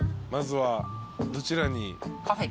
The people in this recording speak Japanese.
まずはどちらに？